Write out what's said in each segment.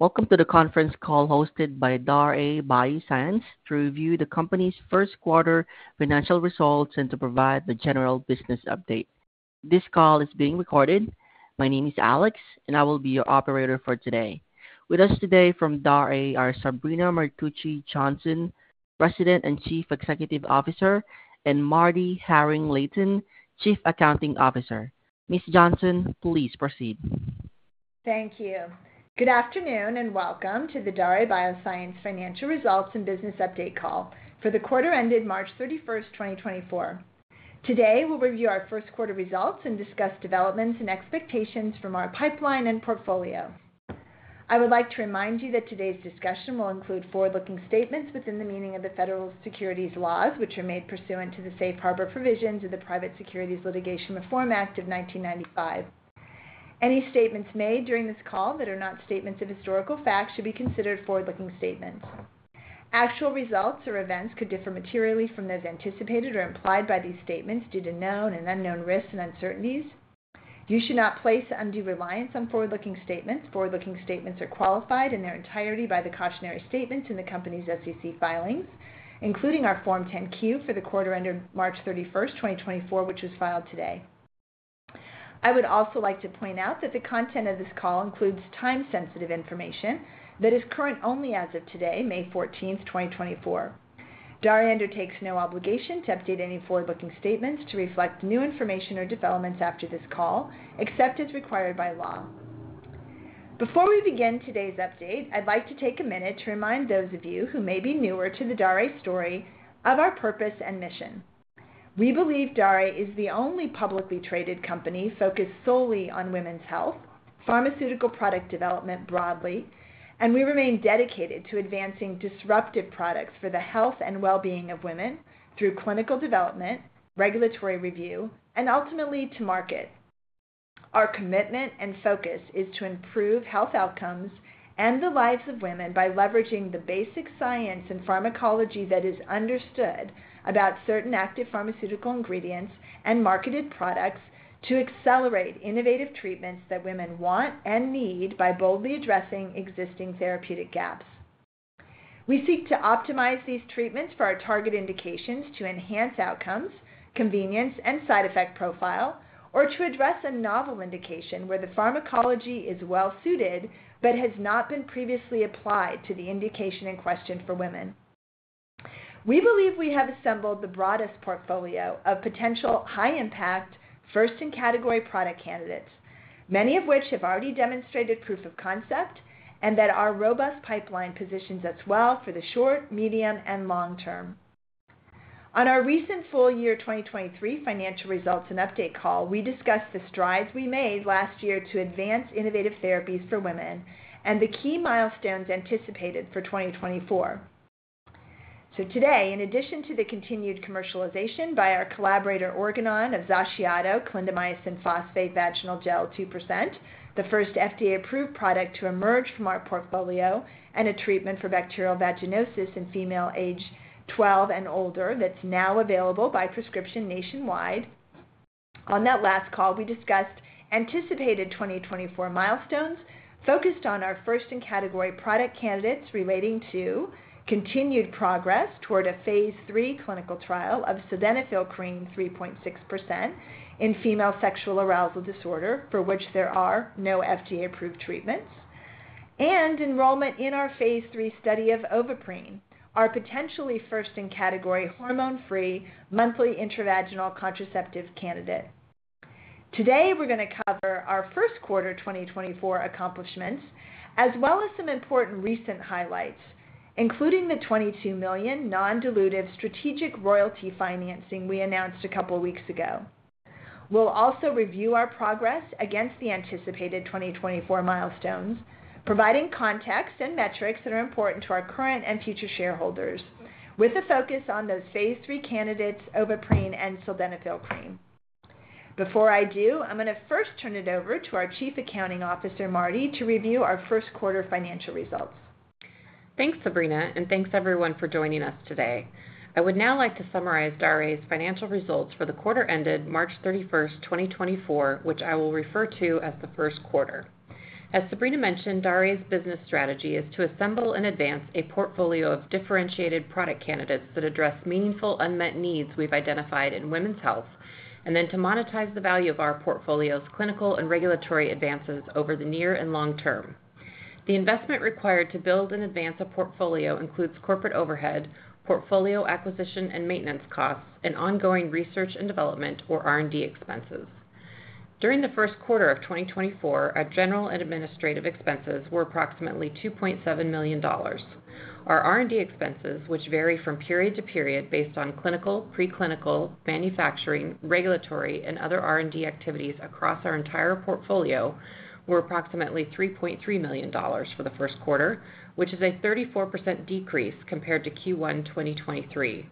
Welcome to the conference call hosted by Daré Bioscience to review the company's first quarter financial results and to provide the general business update. This call is being recorded. My name is Alex, and I will be your operator for today. With us today from Daré are Sabrina Martucci Johnson, President and Chief Executive Officer, and MarDee Haring-Layton, Chief Accounting Officer. Ms. Johnson, please proceed. Thank you. Good afternoon and welcome to the Daré Bioscience financial results and business update call for the quarter ended March 31, 2024. Today we'll review our first quarter results and discuss developments and expectations from our pipeline and portfolio. I would like to remind you that today's discussion will include forward-looking statements within the meaning of the federal securities laws, which are made pursuant to the Safe Harbor provisions of the Private Securities Litigation Reform Act of 1995. Any statements made during this call that are not statements of historical fact should be considered forward-looking statements. Actual results or events could differ materially from those anticipated or implied by these statements due to known and unknown risks and uncertainties. You should not place undue reliance on forward-looking statements. Forward-looking statements are qualified in their entirety by the cautionary statements in the company's SEC filings, including our Form 10-Q for the quarter ended March 31, 2024, which was filed today. I would also like to point out that the content of this call includes time-sensitive information that is current only as of today, May 14, 2024. Daré undertakes no obligation to update any forward-looking statements to reflect new information or developments after this call, except as required by law. Before we begin today's update, I'd like to take a minute to remind those of you who may be newer to the Daré story of our purpose and mission. We believe Daré is the only publicly traded company focused solely on women's health, pharmaceutical product development broadly, and we remain dedicated to advancing disruptive products for the health and well-being of women through clinical development, regulatory review, and ultimately to market. Our commitment and focus is to improve health outcomes and the lives of women by leveraging the basic science and pharmacology that is understood about certain active pharmaceutical ingredients and marketed products to accelerate innovative treatments that women want and need by boldly addressing existing therapeutic gaps. We seek to optimize these treatments for our target indications to enhance outcomes, convenience, and side effect profile, or to address a novel indication where the pharmacology is well-suited but has not been previously applied to the indication in question for women. We believe we have assembled the broadest portfolio of potential high-impact, first-in-category product candidates, many of which have already demonstrated proof of concept and that our robust pipeline positions us well for the short, medium, and long term. On our recent full-year 2023 financial results and update call, we discussed the strides we made last year to advance innovative therapies for women and the key milestones anticipated for 2024. Today, in addition to the continued commercialization by our collaborator Organon of XACIATO, clindamycin phosphate vaginal gel 2%, the first FDA-approved product to emerge from our portfolio, and a treatment for bacterial vaginosis in females age 12 and older that's now available by prescription nationwide, on that last call we discussed anticipated 2024 milestones focused on our first-in-category product candidates relating to continued progress toward a phase III clinical trial of Sildenafil Cream 3.6% in female sexual arousal disorder for which there are no FDA-approved treatments, and enrollment in our phase III study of Ovaprene, our potentially first-in-category hormone-free monthly intravaginal contraceptive candidate. Today we're going to cover our first quarter 2024 accomplishments as well as some important recent highlights, including the $22 million non-dilutive strategic royalty financing we announced a couple of weeks ago. We'll also review our progress against the anticipated 2024 milestones, providing context and metrics that are important to our current and future shareholders, with a focus on those phase III candidates, Ovaprene, and Sildenafil Cream. Before I do, I'm going to first turn it over to our Chief Accounting Officer, MarDee, to review our first quarter financial results. Thanks, Sabrina, and thanks everyone for joining us today. I would now like to summarize Daré's financial results for the quarter ended March 31, 2024, which I will refer to as the first quarter. As Sabrina mentioned, Daré's business strategy is to assemble and advance a portfolio of differentiated product candidates that address meaningful unmet needs we've identified in women's health, and then to monetize the value of our portfolio's clinical and regulatory advances over the near and long term. The investment required to build and advance a portfolio includes corporate overhead, portfolio acquisition and maintenance costs, and ongoing research and development, or R&D, expenses. During the first quarter of 2024, our general and administrative expenses were approximately $2.7 million. Our R&D expenses, which vary from period to period based on clinical, preclinical, manufacturing, regulatory, and other R&D activities across our entire portfolio, were approximately $3.3 million for the first quarter, which is a 34% decrease compared to Q1 2023.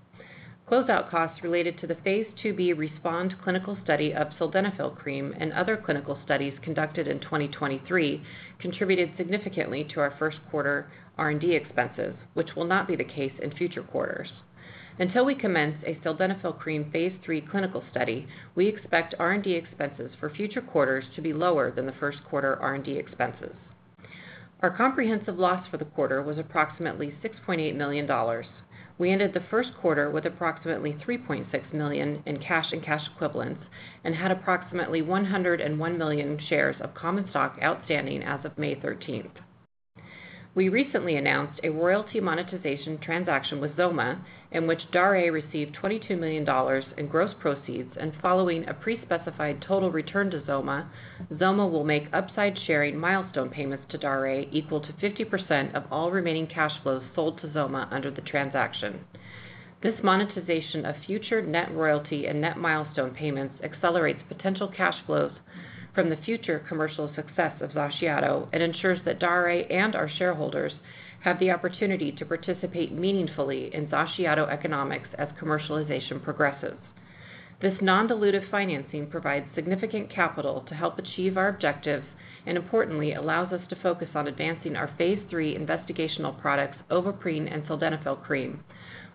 Closeout costs related to the phase II-b RESPOND clinical study of Sildenafil Cream and other clinical studies conducted in 2023 contributed significantly to our first quarter R&D expenses, which will not be the case in future quarters. Until we commence a Sildenafil Cream phase III clinical study, we expect R&D expenses for future quarters to be lower than the first quarter R&D expenses. Our comprehensive loss for the quarter was approximately $6.8 million. We ended the first quarter with approximately $3.6 million in cash and cash equivalents and had approximately 101 million shares of common stock outstanding as of May 13. We recently announced a royalty monetization transaction with XOMA, in which Daré received $22 million in gross proceeds, and following a pre-specified total return to XOMA, XOMA will make upside sharing milestone payments to Daré equal to 50% of all remaining cash flows sold to XOMA under the transaction. This monetization of future net royalty and net milestone payments accelerates potential cash flows from the future commercial success of XACIATO and ensures that Daré and our shareholders have the opportunity to participate meaningfully in XACIATO economics as commercialization progresses. This non-dilutive financing provides significant capital to help achieve our objectives and, importantly, allows us to focus on advancing our phase III investigational products, Ovaprene and Sildenafil Cream,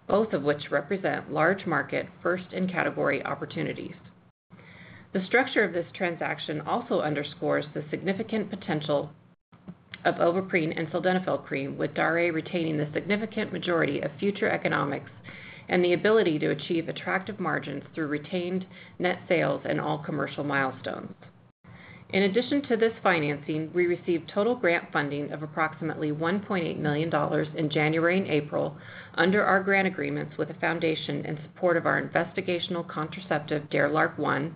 both of which represent large-market, first-in-category opportunities. The structure of this transaction also underscores the significant potential of Ovaprene and Sildenafil Cream, with Daré retaining the significant majority of future economics and the ability to achieve attractive margins through retained net sales and all commercial milestones. In addition to this financing, we received total grant funding of approximately $1.8 million in January and April under our grant agreements with a foundation in support of our investigational contraceptive DARE-LARC1,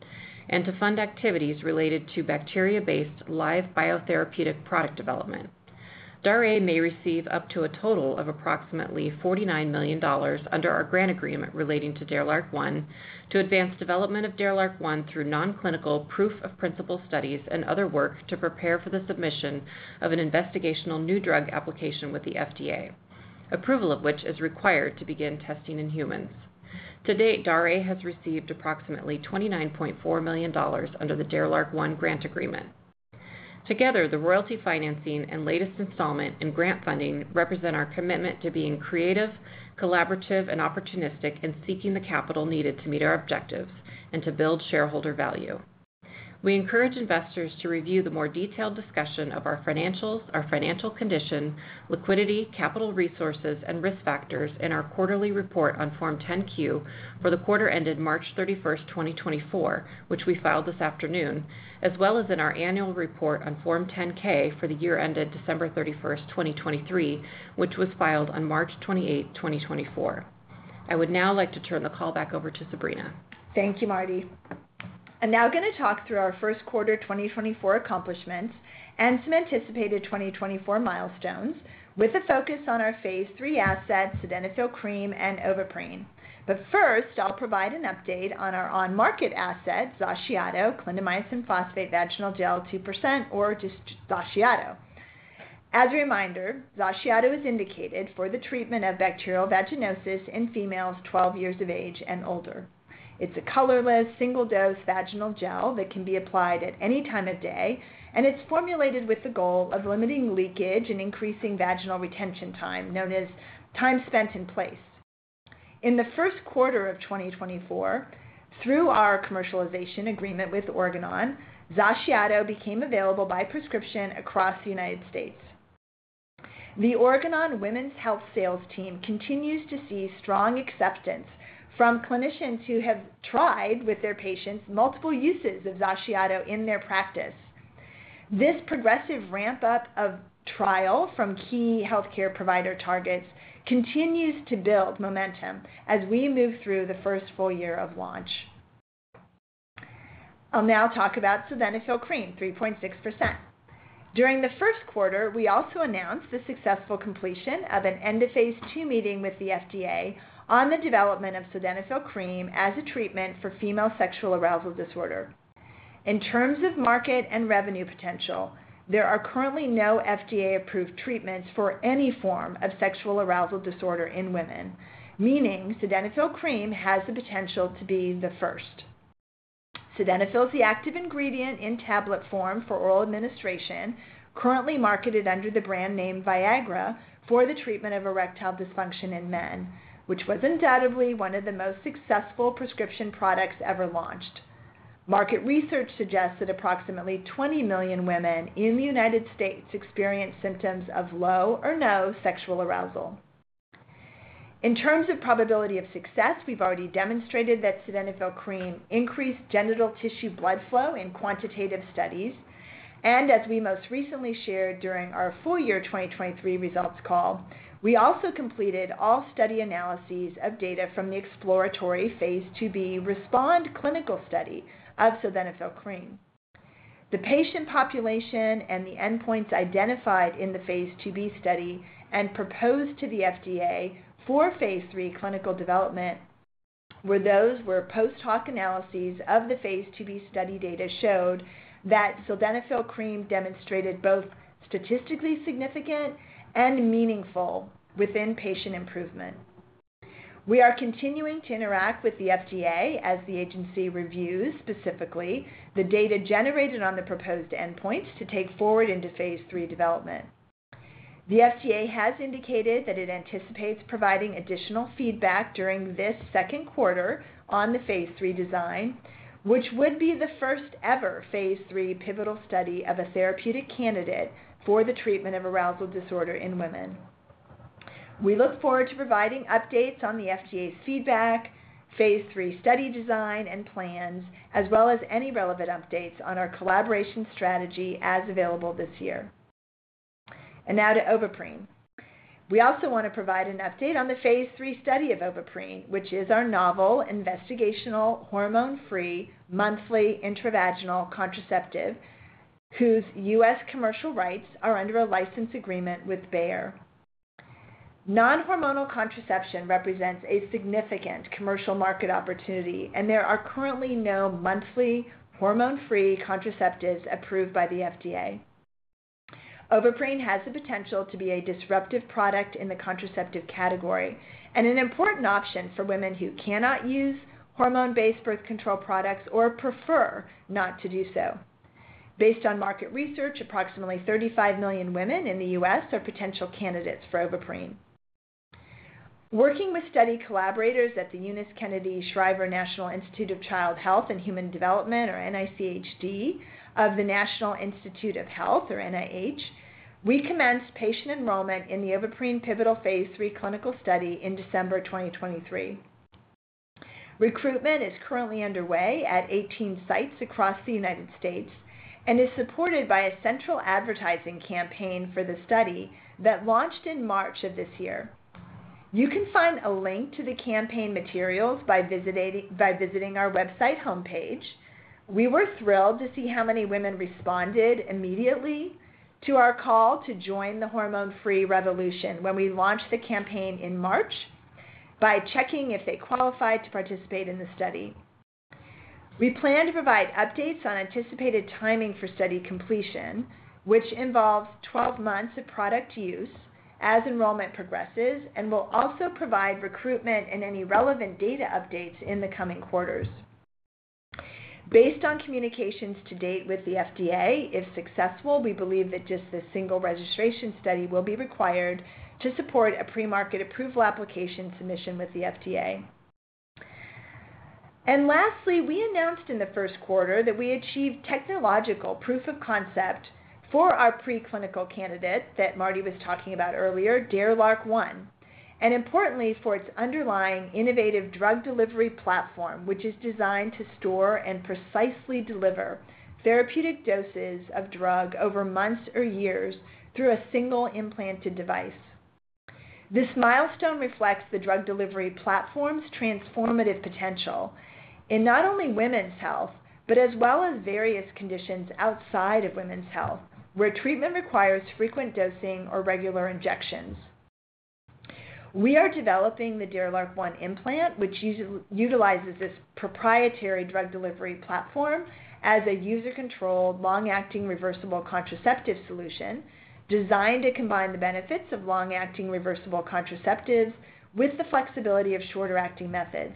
and to fund activities related to bacteria-based live biotherapeutic product development. Daré may receive up to a total of approximately $49 million under our grant agreement relating to DARE-LARC1 to advance development of DARE-LARC1 through non-clinical proof-of-principle studies and other work to prepare for the submission of an Investigational New Drug application with the FDA, approval of which is required to begin testing in humans. To date, Daré has received approximately $29.4 million under the DARE-LARC1 grant agreement. Together, the royalty financing and latest installment in grant funding represent our commitment to being creative, collaborative, and opportunistic in seeking the capital needed to meet our objectives and to build shareholder value. We encourage investors to review the more detailed discussion of our financials, our financial condition, liquidity, capital resources, and risk factors in our quarterly report on Form 10-Q for the quarter ended March 31, 2024, which we filed this afternoon, as well as in our annual report on Form 10-K for the year ended December 31, 2023, which was filed on March 28, 2024. I would now like to turn the call back over to Sabrina. Thank you, MarDee. I'm now going to talk through our first quarter 2024 accomplishments and some anticipated 2024 milestones with a focus on our phase III assets, Sildenafil Cream, and Ovaprene. But first, I'll provide an update on our on-market asset, XACIATO, clindamycin phosphate vaginal gel 2%, or XACIATO. As a reminder, XACIATO is indicated for the treatment of bacterial vaginosis in females 12 years of age and older. It's a colorless, single-dose vaginal gel that can be applied at any time of day, and it's formulated with the goal of limiting leakage and increasing vaginal retention time, known as time spent in place. In the first quarter of 2024, through our commercialization agreement with Organon, XACIATO became available by prescription across the United States. The Organon Women's Health sales team continues to see strong acceptance from clinicians who have tried with their patients multiple uses of XACIATO in their practice. This progressive ramp-up of trial from key healthcare provider targets continues to build momentum as we move through the first full year of launch. I'll now talk about Sildenafil Cream 3.6%. During the first quarter, we also announced the successful completion of an end-of-phase II meeting with the FDA on the development of Sildenafil Cream 3.6% as a treatment for female sexual arousal disorder. In terms of market and revenue potential, there are currently no FDA-approved treatments for any form of sexual arousal disorder in women, meaning Sildenafil Cream 3.6% has the potential to be the first. Sildenafil is the active ingredient in tablet form for oral administration, currently marketed under the brand name Viagra for the treatment of erectile dysfunction in men, which was undoubtedly one of the most successful prescription products ever launched. Market research suggests that approximately 20 million women in the United States experience symptoms of low or no sexual arousal. In terms of probability of success, we've already demonstrated that Sildenafil Cream increased genital tissue blood flow in quantitative studies, and as we most recently shared during our full-year 2023 results call, we also completed all study analyses of data from the exploratory phase II-b RESPOND clinical study of Sildenafil Cream. The patient population and the endpoints identified in the phase II-B study and proposed to the FDA for phase III clinical development were those where post-hoc analyses of the phase II-B study data showed that Sildenafil Cream demonstrated both statistically significant and meaningful within-patient improvement. We are continuing to interact with the FDA as the agency reviews, specifically, the data generated on the proposed endpoints to take forward into phase III development. The FDA has indicated that it anticipates providing additional feedback during this second quarter on the phase III design, which would be the first-ever phase III pivotal study of a therapeutic candidate for the treatment of arousal disorder in women. We look forward to providing updates on the FDA's feedback, phase III study design and plans, as well as any relevant updates on our collaboration strategy as available this year. And now to Ovaprene. We also want to provide an update on the phase III study of Ovaprene, which is our novel, investigational, hormone-free monthly intravaginal contraceptive, whose U.S. commercial rights are under a license agreement with Bayer. Non-hormonal contraception represents a significant commercial market opportunity, and there are currently no monthly hormone-free contraceptives approved by the FDA. Ovaprene has the potential to be a disruptive product in the contraceptive category and an important option for women who cannot use hormone-based birth control products or prefer not to do so. Based on market research, approximately 35 million women in the U.S. are potential candidates for Ovaprene. Working with study collaborators at the Eunice Kennedy Shriver National Institute of Child Health and Human Development, or NICHD, of the National Institutes of Health, or NIH, we commenced patient enrollment in the Ovaprene pivotal phase III clinical study in December 2023. Recruitment is currently underway at 18 sites across the United States and is supported by a central advertising campaign for the study that launched in March of this year. You can find a link to the campaign materials by visiting our website homepage. We were thrilled to see how many women responded immediately to our call to join the hormone-free revolution when we launched the campaign in March by checking if they qualified to participate in the study. We plan to provide updates on anticipated timing for study completion, which involves 12 months of product use as enrollment progresses, and will also provide recruitment and any relevant data updates in the coming quarters. Based on communications to date with the FDA, if successful, we believe that just this single registration study will be required to support a Premarket Approval application submission with the FDA. And lastly, we announced in the first quarter that we achieved technological proof of concept for our preclinical candidate that MarDee was talking about earlier, DARE-LARC1, and importantly, for its underlying innovative drug delivery platform, which is designed to store and precisely deliver therapeutic doses of drug over months or years through a single implanted device. This milestone reflects the drug delivery platform's transformative potential in not only women's health but as well as various conditions outside of women's health, where treatment requires frequent dosing or regular injections. We are developing the DARE-LARC1 implant, which utilizes this proprietary drug delivery platform as a user-controlled, long-acting reversible contraceptive solution designed to combine the benefits of long-acting reversible contraceptives with the flexibility of shorter-acting methods.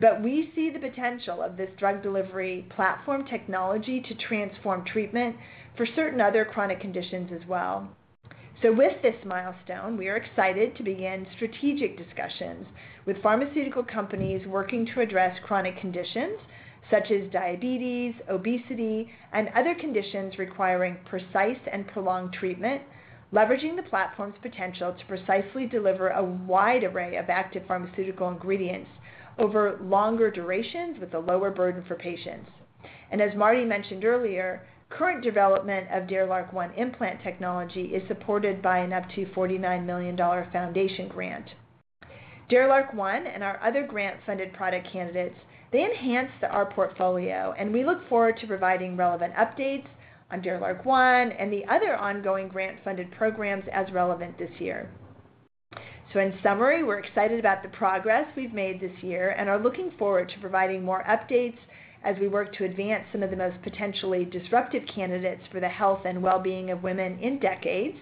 But we see the potential of this drug delivery platform technology to transform treatment for certain other chronic conditions as well. With this milestone, we are excited to begin strategic discussions with pharmaceutical companies working to address chronic conditions such as diabetes, obesity, and other conditions requiring precise and prolonged treatment, leveraging the platform's potential to precisely deliver a wide array of active pharmaceutical ingredients over longer durations with a lower burden for patients. As MarDee mentioned earlier, current development of DARE-LARC1 implant technology is supported by an up to $49 million foundation grant. DARE-LARC1 and our other grant-funded product candidates, they enhance our portfolio, and we look forward to providing relevant updates on DARE-LARC1 and the other ongoing grant-funded programs as relevant this year. So in summary, we're excited about the progress we've made this year and are looking forward to providing more updates as we work to advance some of the most potentially disruptive candidates for the health and well-being of women in decades,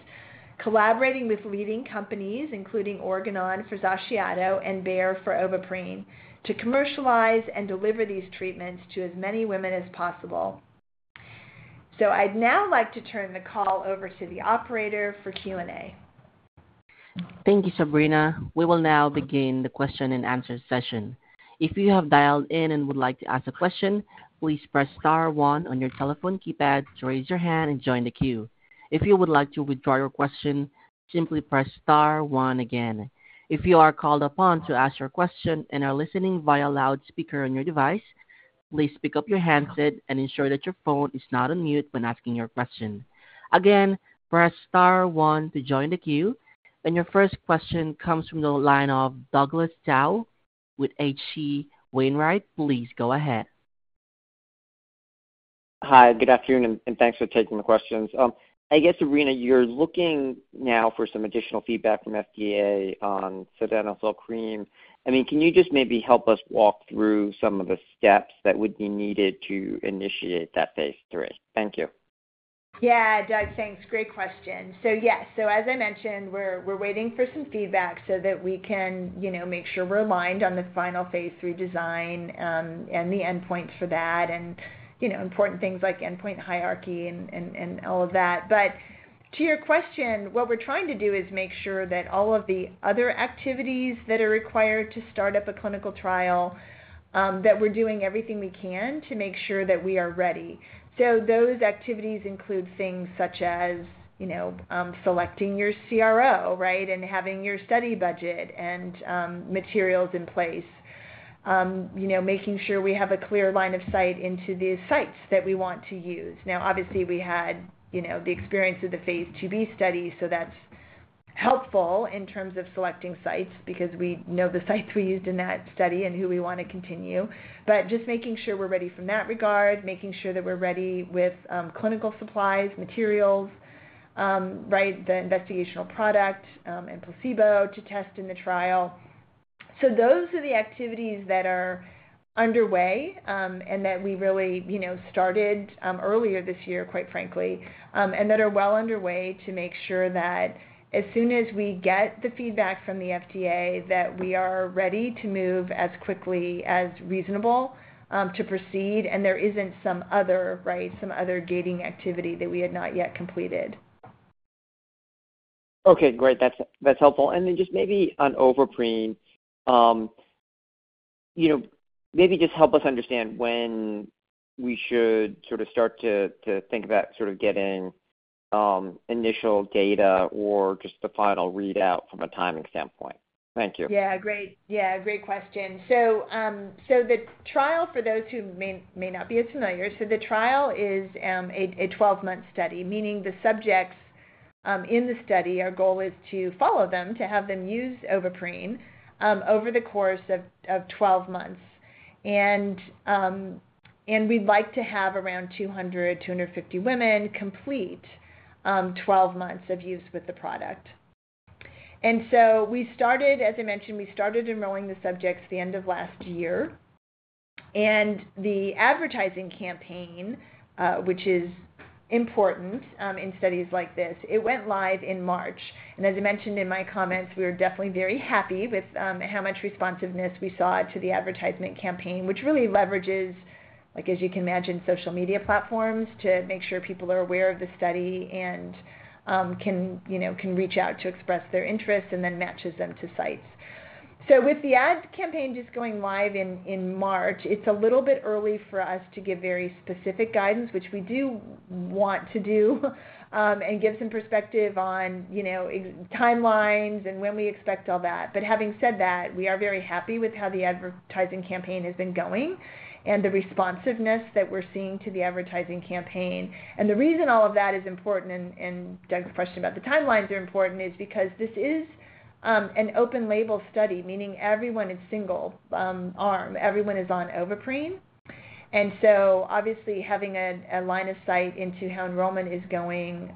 collaborating with leading companies including Organon for XACIATO and Bayer for Ovaprene to commercialize and deliver these treatments to as many women as possible. So I'd now like to turn the call over to the operator for Q&A. Thank you, Sabrina. We will now begin the question-and-answer session. If you have dialed in and would like to ask a question, please press star one on your telephone keypad to raise your hand and join the queue. If you would like to withdraw your question, simply press star one again. If you are called upon to ask your question and are listening via loudspeaker on your device, please pick up your handset and ensure that your phone is not on mute when asking your question. Again, press star one to join the queue. Your first question comes from the line of Douglas Tsao with H.C. Wainwright. Please go ahead. Hi, good afternoon, and thanks for taking the questions. I guess, Sabrina, you're looking now for some additional feedback from the FDA on Sildenafil Cream. I mean, can you just maybe help us walk through some of the steps that would be needed to initiate that phase III? Thank you. Yeah, Doug, thanks. Great question. So yes, so as I mentioned, we're waiting for some feedback so that we can make sure we're aligned on the final phase III design and the endpoints for that and important things like endpoint hierarchy and all of that. But to your question, what we're trying to do is make sure that all of the other activities that are required to start up a clinical trial, that we're doing everything we can to make sure that we are ready. So those activities include things such as selecting your CRO, right, and having your study budget and materials in place, making sure we have a clear line of sight into the sites that we want to use. Now, obviously, we had the experience of the phase II-B study, so that's helpful in terms of selecting sites because we know the sites we used in that study and who we want to continue. But just making sure we're ready from that regard, making sure that we're ready with clinical supplies, materials, right, the investigational product, and placebo to test in the trial. So those are the activities that are underway and that we really started earlier this year, quite frankly, and that are well underway to make sure that as soon as we get the feedback from the FDA, that we are ready to move as quickly as reasonable to proceed and there isn't some other, right, some other gating activity that we had not yet completed. Okay, great. That's helpful. And then just maybe on Ovaprene, maybe just help us understand when we should sort of start to think about sort of getting initial data or just the final readout from a timing standpoint. Thank you. Yeah, great. Yeah, great question. So the trial, for those who may not be as familiar, so the trial is a 12-month study, meaning the subjects in the study, our goal is to follow them, to have them use Ovaprene over the course of 12 months. And we'd like to have around 200-250 women complete 12 months of use with the product. And so we started, as I mentioned, we started enrolling the subjects the end of last year. And the advertising campaign, which is important in studies like this, it went live in March. And as I mentioned in my comments, we were definitely very happy with how much responsiveness we saw to the advertisement campaign, which really leverages, as you can imagine, social media platforms to make sure people are aware of the study and can reach out to express their interests and then matches them to sites. So with the ad campaign just going live in March, it's a little bit early for us to give very specific guidance, which we do want to do and give some perspective on timelines and when we expect all that. But having said that, we are very happy with how the advertising campaign has been going and the responsiveness that we're seeing to the advertising campaign. The reason all of that is important, and Doug's question about the timelines are important, is because this is an open-label study, meaning everyone is single-arm, everyone is on Ovaprene. And so obviously, having a line of sight into how enrollment is going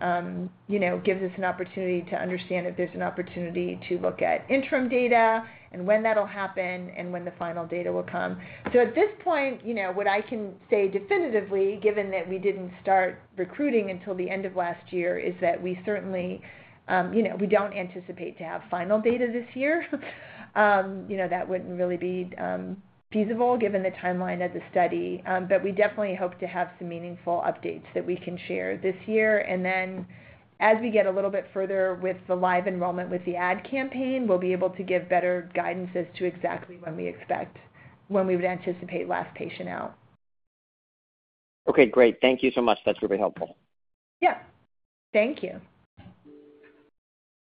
gives us an opportunity to understand if there's an opportunity to look at interim data and when that'll happen and when the final data will come. So at this point, what I can say definitively, given that we didn't start recruiting until the end of last year, is that we certainly don't anticipate to have final data this year. That wouldn't really be feasible given the timeline of the study. But we definitely hope to have some meaningful updates that we can share this year. And then as we get a little bit further with the live enrollment with the ad campaign, we'll be able to give better guidances to exactly when we expect, when we would anticipate last patient out. Okay, great. Thank you so much. That's really helpful. Yeah. Thank you.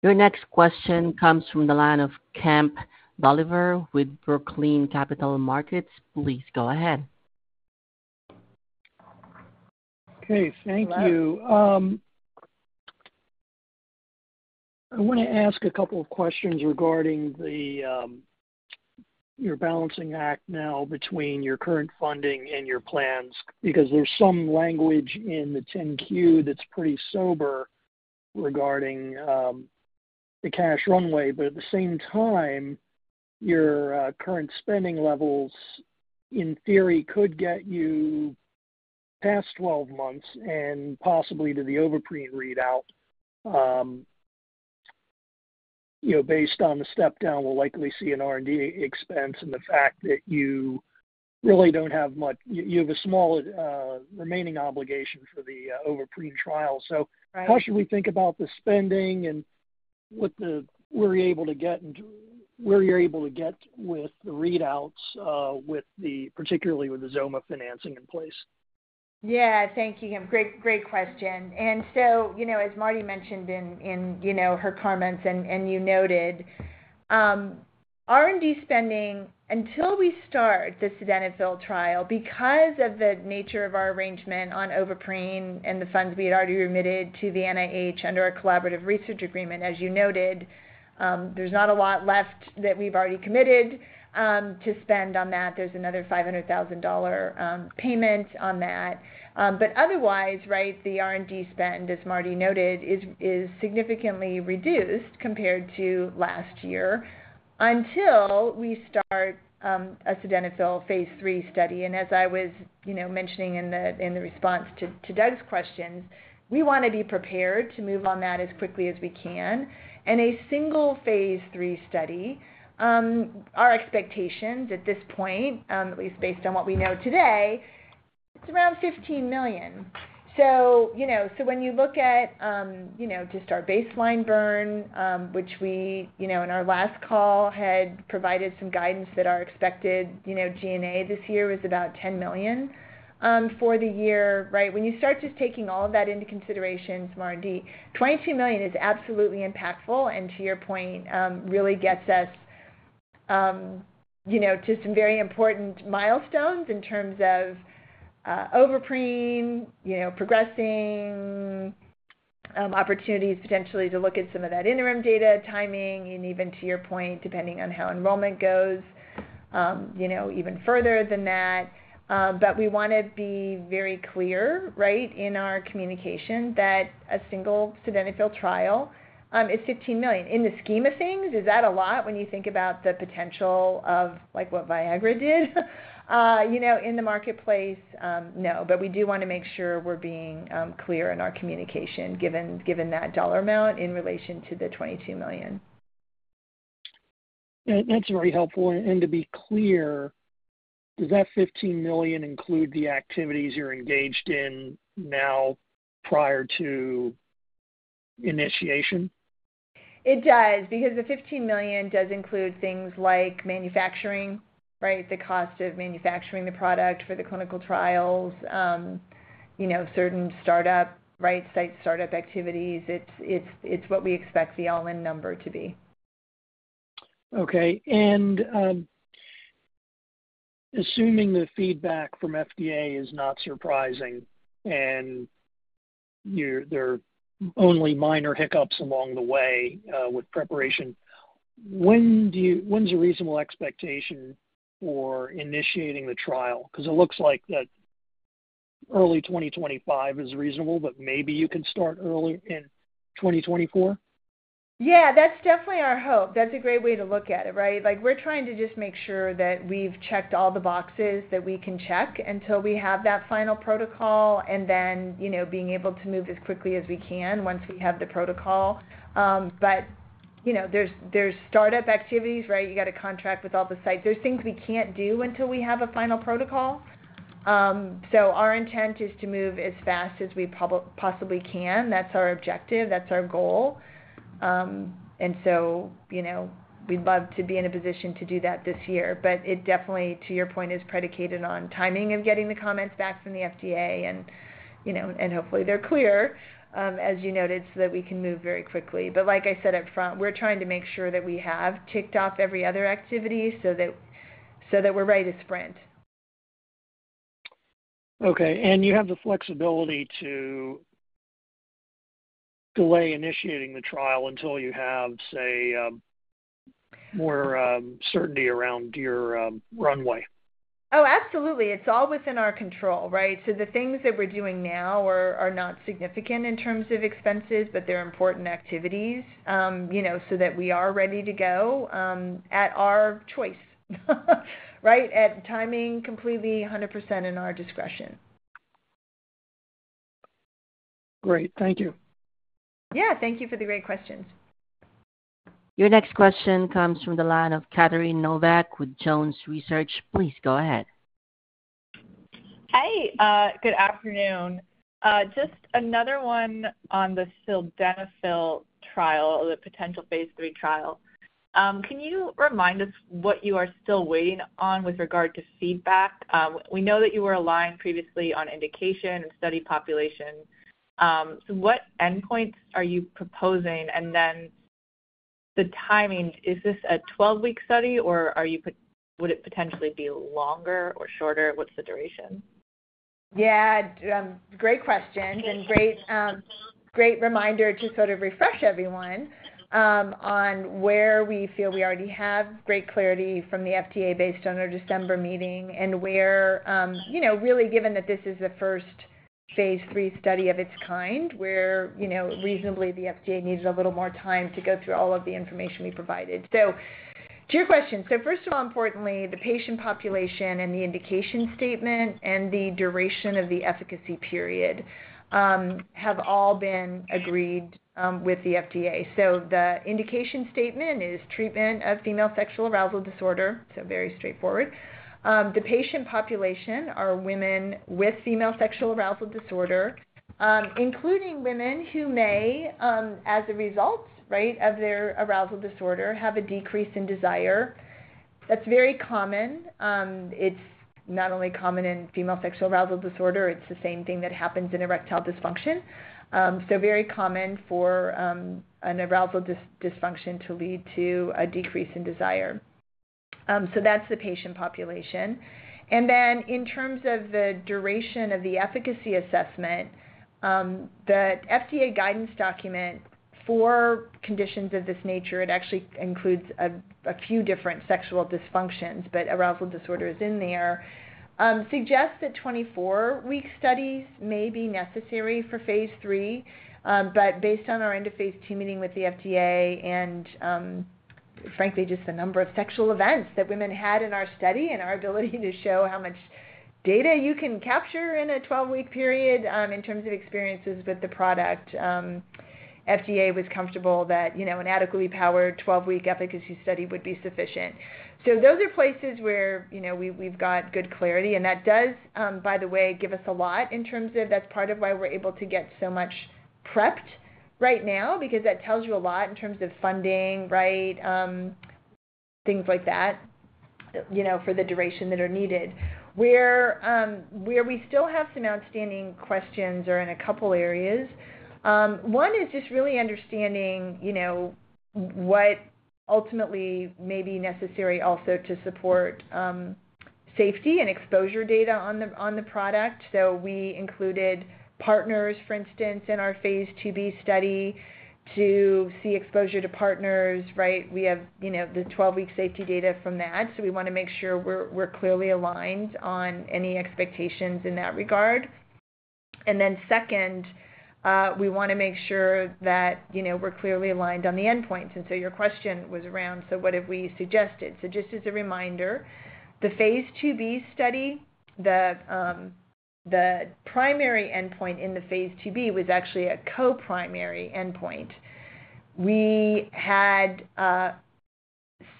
Your next question comes from the line of Kemp Dolliver with Brookline Capital Markets. Please go ahead. Okay, thank you. I want to ask a couple of questions regarding your balancing act now between your current funding and your plans because there's some language in the 10-Q that's pretty sober regarding the cash runway. But at the same time, your current spending levels, in theory, could get you past 12 months and possibly to the Ovaprene readout. Based on the stepdown, we'll likely see an R&D expense and the fact that you really don't have much you have a small remaining obligation for the Ovaprene trial. So how should we think about the spending and what the where are you able to get into where are you able to get with the readouts, particularly with the XOMA financing in place? Yeah, thank you. Great question. And so as MarDee mentioned in her comments and you noted, R&D spending, until we start the sildenafil trial, because of the nature of our arrangement on Ovaprene and the funds we had already remitted to the NIH under our collaborative research agreement, as you noted, there's not a lot left that we've already committed to spend on that. There's another $500,000 payment on that. But otherwise, right, the R&D spend, as MarDee noted, is significantly reduced compared to last year until we start a sildenafil phase III study. And as I was mentioning in the response to Doug's questions, we want to be prepared to move on that as quickly as we can. And a single phase III study, our expectations at this point, at least based on what we know today, it's around $15 million. So when you look at just our baseline burn, which we in our last call had provided some guidance that our expected G&A this year was about $10 million for the year, right, when you start just taking all of that into consideration, MarDee, $22 million is absolutely impactful and, to your point, really gets us to some very important milestones in terms of Ovaprene, progressing opportunities potentially to look at some of that interim data, timing, and even, to your point, depending on how enrollment goes, even further than that. But we want to be very clear, right, in our communication that a single sildenafil trial is $15 million. In the scheme of things, is that a lot when you think about the potential of what Viagra did in the marketplace? No, but we do want to make sure we're being clear in our communication given that dollar amount in relation to the $22 million. That's very helpful. To be clear, does that $15 million include the activities you're engaged in now prior to initiation? It does because the $15 million does include things like manufacturing, right, the cost of manufacturing the product for the clinical trials, certain startup, right, site startup activities. It's what we expect the all-in number to be. Okay. Assuming the feedback from FDA is not surprising and there are only minor hiccups along the way with preparation, when's a reasonable expectation for initiating the trial? Because it looks like that early 2025 is reasonable, but maybe you can start earlier in 2024? Yeah, that's definitely our hope. That's a great way to look at it, right? We're trying to just make sure that we've checked all the boxes that we can check until we have that final protocol and then being able to move as quickly as we can once we have the protocol. But there's startup activities, right? You got to contract with all the sites. There's things we can't do until we have a final protocol. So our intent is to move as fast as we possibly can. That's our objective. That's our goal. And so we'd love to be in a position to do that this year. But it definitely, to your point, is predicated on timing of getting the comments back from the FDA. And hopefully, they're clear, as you noted, so that we can move very quickly. But like I said upfront, we're trying to make sure that we have ticked off every other activity so that we're ready to sprint. Okay. And you have the flexibility to delay initiating the trial until you have, say, more certainty around your runway? Oh, absolutely. It's all within our control, right? So the things that we're doing now are not significant in terms of expenses, but they're important activities so that we are ready to go at our choice, right, at timing completely 100% in our discretion. Great. Thank you. Yeah, thank you for the great questions. Your next question comes from the line of Catherine Novack with Jones Research. Please go ahead. Hi. Good afternoon. Just another one on the sildenafil trial, the potential phase III trial. Can you remind us what you are still waiting on with regard to feedback? We know that you were aligned previously on indication and study population. What endpoints are you proposing? And then the timing, is this a 12-week study, or would it potentially be longer or shorter? What's the duration? Yeah, great questions and great reminder to sort of refresh everyone on where we feel we already have great clarity from the FDA based on our December meeting and where really, given that this is the first phase III study of its kind, where reasonably, the FDA needed a little more time to go through all of the information we provided. So to your question, so first of all, importantly, the patient population and the indication statement and the duration of the efficacy period have all been agreed with the FDA. So the indication statement is treatment of female sexual arousal disorder, so very straightforward. The patient population are women with female sexual arousal disorder, including women who may, as a result, right, of their arousal disorder, have a decrease in desire. That's very common. It's not only common in female sexual arousal disorder. It's the same thing that happens in erectile dysfunction. So very common for an arousal dysfunction to lead to a decrease in desire. So that's the patient population. And then in terms of the duration of the efficacy assessment, the FDA guidance document for conditions of this nature, it actually includes a few different sexual dysfunctions, but arousal disorder is in there, suggests that 24-week studies may be necessary for phase III. But based on our end-of-phase II meeting with the FDA and, frankly, just the number of sexual events that women had in our study and our ability to show how much data you can capture in a 12-week period in terms of experiences with the product, FDA was comfortable that an adequately powered 12-week efficacy study would be sufficient. So those are places where we've got good clarity. And that does, by the way, give us a lot in terms of that's part of why we're able to get so much prepped right now because that tells you a lot in terms of funding, right, things like that for the duration that are needed. Where we still have some outstanding questions are in a couple of areas. One is just really understanding what ultimately may be necessary also to support safety and exposure data on the product. So we included partners, for instance, in our phase II-B study to see exposure to partners, right? We have the 12-week safety data from that. So we want to make sure we're clearly aligned on any expectations in that regard. And then second, we want to make sure that we're clearly aligned on the endpoints. And so your question was around, so what have we suggested? So just as a reminder, the phase II-B study, the primary endpoint in the phase II-B was actually a co-primary endpoint. We had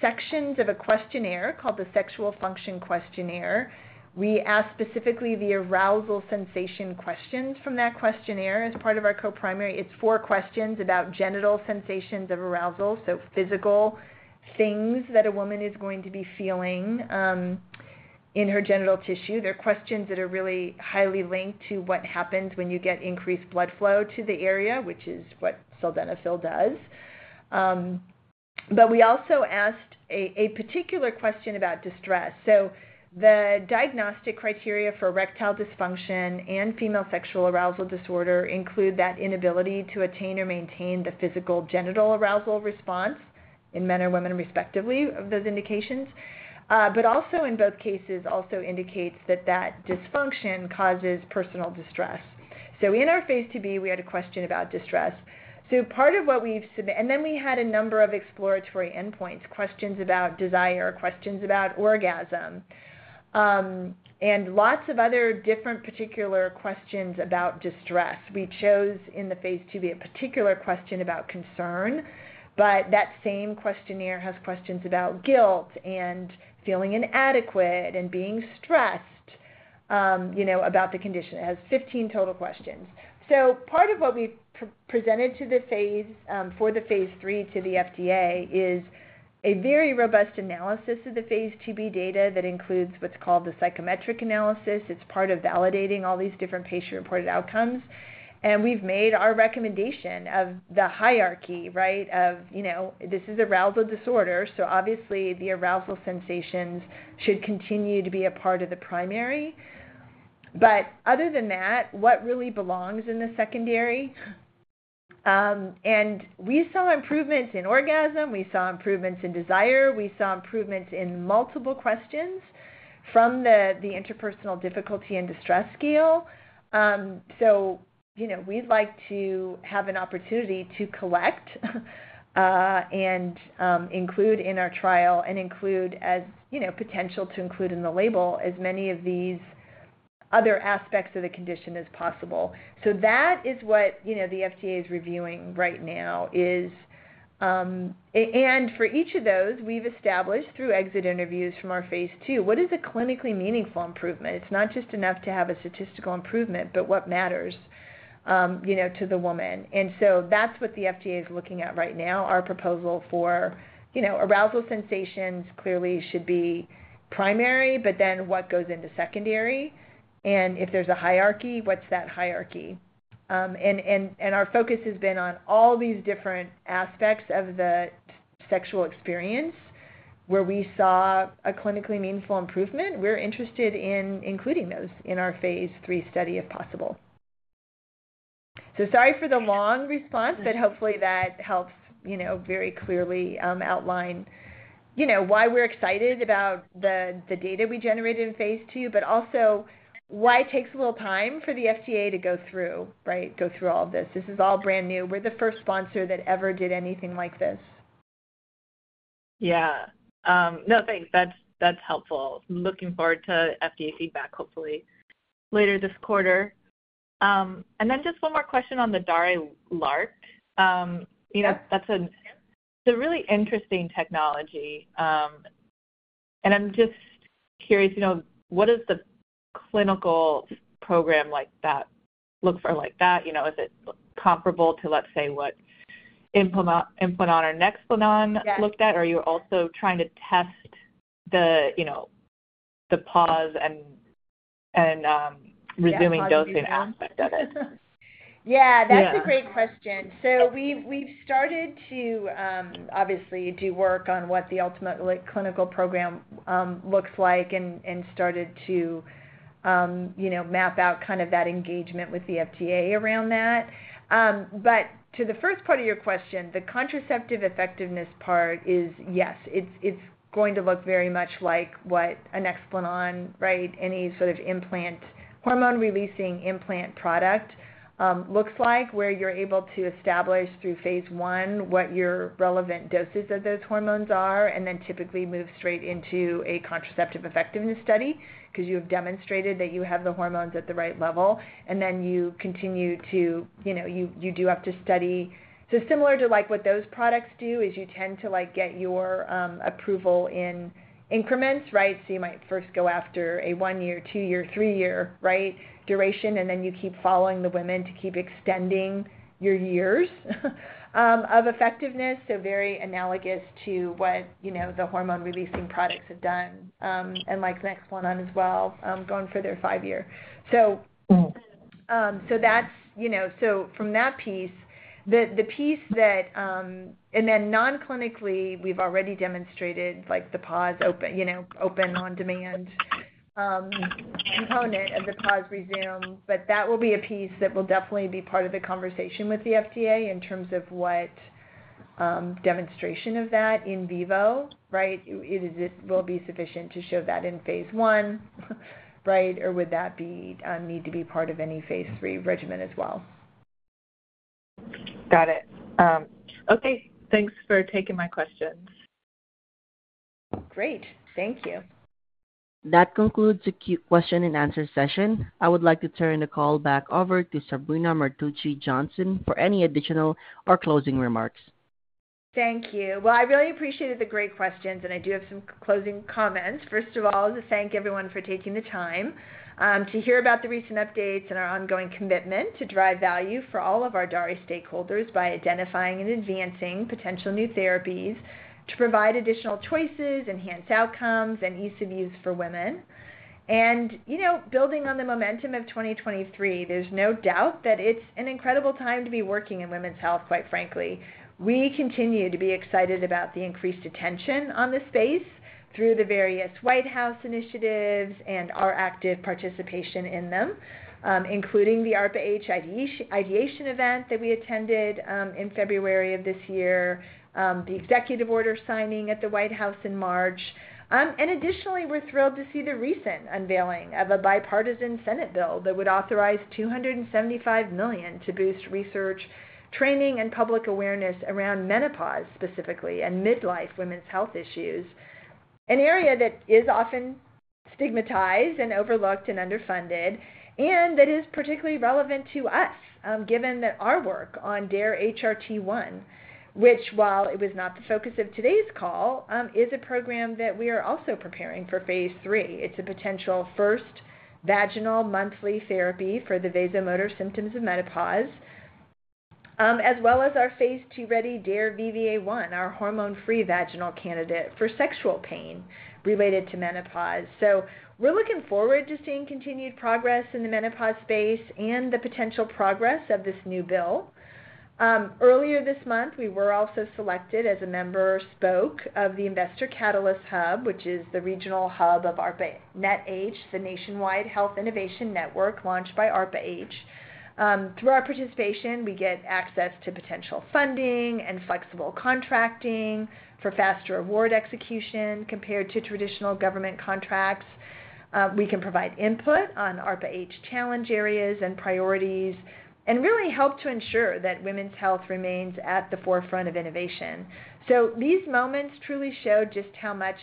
sections of a questionnaire called the Sexual Function Questionnaire. We asked specifically the arousal sensation questions from that questionnaire as part of our co-primary. It's four questions about genital sensations of arousal, so physical things that a woman is going to be feeling in her genital tissue. They're questions that are really highly linked to what happens when you get increased blood flow to the area, which is what sildenafil does. But we also asked a particular question about distress. So the diagnostic criteria for erectile dysfunction and female sexual arousal disorder include that inability to attain or maintain the physical genital arousal response in men and women, respectively, of those indications. But also, in both cases, also indicates that that dysfunction causes personal distress. So in our phase II-B, we had a question about distress. So part of what we've and then we had a number of exploratory endpoints, questions about desire, questions about orgasm, and lots of other different particular questions about distress. We chose in the phase II-B a particular question about concern, but that same questionnaire has questions about guilt and feeling inadequate and being stressed about the condition. It has 15 total questions. So part of what we presented for the phase III to the FDA is a very robust analysis of the phase II-B data that includes what's called the psychometric analysis. It's part of validating all these different patient-reported outcomes. And we've made our recommendation of the hierarchy, right, of this is arousal disorder. So obviously, the arousal sensations should continue to be a part of the primary. But other than that, what really belongs in the secondary? And we saw improvements in orgasm. We saw improvements in desire. We saw improvements in multiple questions from the interpersonal difficulty and distress scale. So we'd like to have an opportunity to collect and include in our trial and include as potential to include in the label as many of these other aspects of the condition as possible. So that is what the FDA is reviewing right now. And for each of those, we've established through exit interviews from our phase II, what is a clinically meaningful improvement? It's not just enough to have a statistical improvement, but what matters to the woman? And so that's what the FDA is looking at right now. Our proposal for arousal sensations clearly should be primary, but then what goes into secondary? And if there's a hierarchy, what's that hierarchy? Our focus has been on all these different aspects of the sexual experience. Where we saw a clinically meaningful improvement, we're interested in including those in our phase III study if possible. So sorry for the long response, but hopefully, that helps very clearly outline why we're excited about the data we generated in phase II, but also why it takes a little time for the FDA to go through, right, go through all of this. This is all brand new. We're the first sponsor that ever did anything like this. Yeah. No, thanks. That's helpful. Looking forward to FDA feedback, hopefully, later this quarter. And then just one more question on the DARE-LARC1. That's a really interesting technology. And I'm just curious, what does the clinical program like that look for like that? Is it comparable to, let's say, what Implanon or Nexplanon looked at? Or are you also trying to test the pause and resuming dosing aspect of it? Yeah, that's a great question. So we've started to, obviously, do work on what the ultimate clinical program looks like and started to map out kind of that engagement with the FDA around that. But to the first part of your question, the contraceptive effectiveness part is, yes, it's going to look very much like what a Nexplanon, right, any sort of hormone-releasing implant product looks like, where you're able to establish through phase I what your relevant doses of those hormones are and then typically move straight into a contraceptive effectiveness study because you have demonstrated that you have the hormones at the right level. And then you continue to, you do have to study so similar to what those products do is you tend to get your approval in increments, right? So you might first go after a one-year, two-year, three-year, right, duration, and then you keep following the women to keep extending your years of effectiveness. So very analogous to what the hormone-releasing products have done. And like Nexplanon as well, going for their five-year. So that's so from that piece, the piece that and then non-clinically, we've already demonstrated the pause open on-demand component of the pause resume. But that will be a piece that will definitely be part of the conversation with the FDA in terms of what demonstration of that in vivo, right? Will it be sufficient to show that in phase I, right? Or would that need to be part of any phase III regimen as well? Got it. Okay. Thanks for taking my questions. Great. Thank you. That concludes the Q&A session. I would like to turn the call back over to Sabrina Martucci Johnson for any additional or closing remarks. Thank you. Well, I really appreciated the great questions, and I do have some closing comments. First of all, to thank everyone for taking the time to hear about the recent updates and our ongoing commitment to drive value for all of our Daré stakeholders by identifying and advancing potential new therapies to provide additional choices, enhance outcomes, and ease of use for women. And building on the momentum of 2023, there's no doubt that it's an incredible time to be working in women's health, quite frankly. We continue to be excited about the increased attention on this space through the various White House initiatives and our active participation in them, including the ARPA-H ideation event that we attended in February of this year, the executive order signing at the White House in March. Additionally, we're thrilled to see the recent unveiling of a bipartisan Senate bill that would authorize $275 million to boost research, training, and public awareness around menopause specifically and midlife women's health issues, an area that is often stigmatized and overlooked and underfunded and that is particularly relevant to us given our work on DARE-HRT1, which, while it was not the focus of today's call, is a program that we are also preparing for phase III. It's a potential first vaginal monthly therapy for the vasomotor symptoms of menopause as well as our phase II ready DARE-VVA1, our hormone-free vaginal candidate for sexual pain related to menopause. We're looking forward to seeing continued progress in the menopause space and the potential progress of this new bill. Earlier this month, we were also selected as a member spoke of the Investor Catalyst Hub, which is the regional hub of ARPANET-H, the nationwide health innovation network launched by ARPA-H. Through our participation, we get access to potential funding and flexible contracting for faster award execution compared to traditional government contracts. We can provide input on ARPA-H challenge areas and priorities and really help to ensure that women's health remains at the forefront of innovation. So these moments truly showed just how much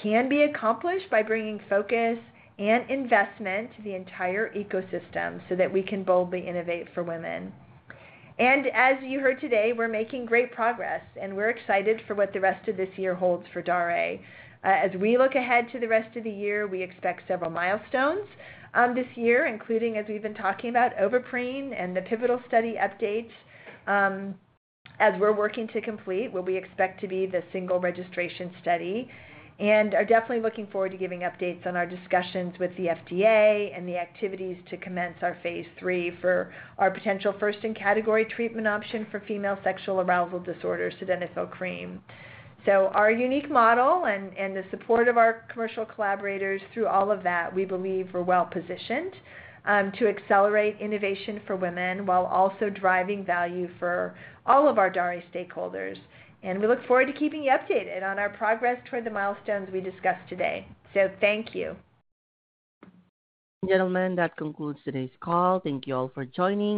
can be accomplished by bringing focus and investment to the entire ecosystem so that we can boldly innovate for women. And as you heard today, we're making great progress, and we're excited for what the rest of this year holds for Daré. As we look ahead to the rest of the year, we expect several milestones this year, including, as we've been talking about, Ovaprene and the pivotal study updates as we're working to complete what we expect to be the single registration study. We are definitely looking forward to giving updates on our discussions with the FDA and the activities to commence our phase III for our potential first-in-category treatment option for female sexual arousal disorders, Sildenafil Cream. Our unique model and the support of our commercial collaborators through all of that, we believe we're well-positioned to accelerate innovation for women while also driving value for all of our Daré stakeholders. We look forward to keeping you updated on our progress toward the milestones we discussed today. Thank you. Gentlemen, that concludes today's call. Thank you all for joining.